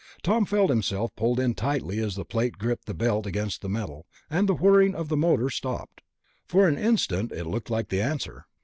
Tom felt himself pulled in tightly as the plate gripped the belt against the metal, and the whirring of the motor stopped. For an instant it looked like the answer.